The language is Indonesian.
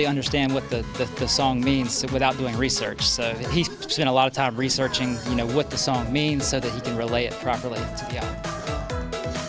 yang beranggotakan tujuh personil ini berlatih selama dua minggu untuk menghafal lagu goyang dumang